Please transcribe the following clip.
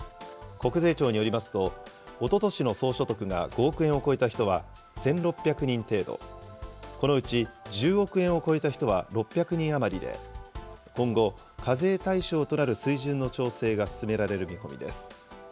国税庁によりますと、おととしの総所得が５億円を超えた人は１６００人程度、このうち１０億円を超えた人は６００人余りで、今後、課税対象となる水準の調整が進められる見込みです。